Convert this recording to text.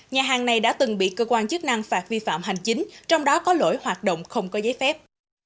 nhà hàng này đã từng bị cơ quan chức năng phạt vi phạm hành chính trong đó có lỗi hoạt động không có giấy phép